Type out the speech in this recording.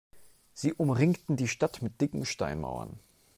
Sie umringten die Stadt mit dicken Steinmauern.